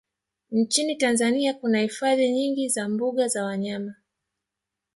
Nchini Tanzania kuna hifadhi nyingi za mbuga za wanyama